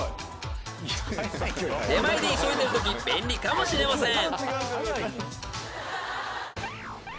［出前で急いでるとき便利かもしれません］